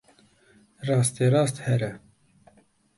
Rasterast here.